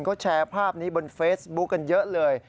เขาแชร์ภาพนี้บนเฟซบุ๊คกันเยอะเลย